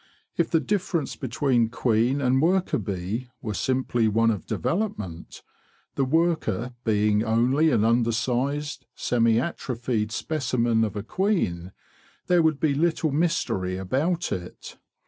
If the difference between queen and worker bee were simply one of development, the worker being only an undersized, semi atrophied specimen of a queen, there would be little mystery about it.